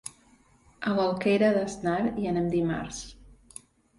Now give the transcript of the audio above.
A l'Alqueria d'Asnar hi anem dimarts.